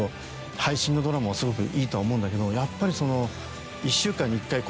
配信のドラマはすごくいいとは思うんだけどやっぱりその。